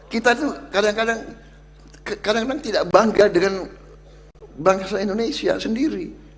kita itu kadang kadang kadang tidak bangga dengan bangsa indonesia sendiri